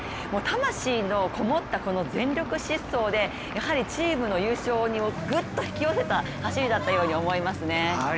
魂のこもった全力疾走でやはりチームの優勝をグッと引き寄せた走りだったように思いますね。